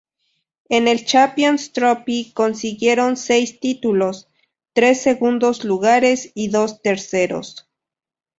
En el Champions Trophy consiguieron seis títulos, tres segundos lugares y dos terceros.